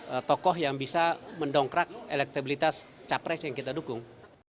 ada tokoh yang bisa mendongkrak elektabilitas capres yang kita dukung